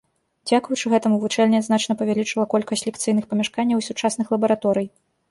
Дзякуючы гэтаму вучэльня значна павялічыла колькасць лекцыйных памяшканняў і сучасных лабараторый.